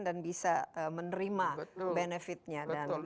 dan bisa menerima benefitnya